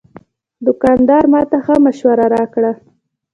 دوکاندار ماته ښه مشوره راکړه.